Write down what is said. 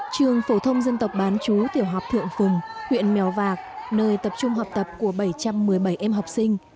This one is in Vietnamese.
trường phổ thông dân tộc bán chú tiểu học thượng phùng huyện mèo vạc nơi tập trung học tập của bảy trăm một mươi bảy em học sinh